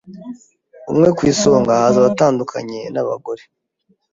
umwe ku isonga haza abatandukanye n’abagore